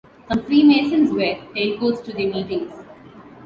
Some Freemasons wear tailcoats to their meetings.